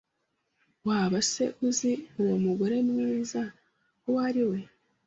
Waba se uzi uwo mugore mwiza uwo ari we